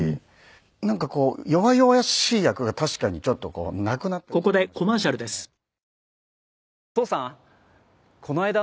なんかこう弱々しい役が確かにちょっとこうなくなってきたかもしれないですね。